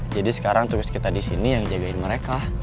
jadi sekarang tugas kita di sini yang ngejagain mereka